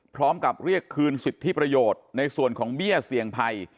พร้อมกับเรียกคืนสิทธิประโยชน์ในส่วนของเบี้ยเสี่ยงภัย